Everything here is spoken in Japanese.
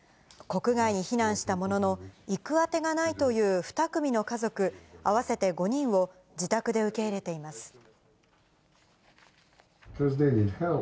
国外に避難したものの、行く当てがないという２組の家族合わせて５人を、自宅で受け入れています。